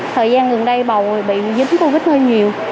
thời gian gần đây bầu bị dính covid hơi nhiều